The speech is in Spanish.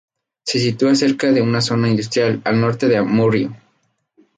Se sitúa cerca de una zona industrial, al norte de Amurrio.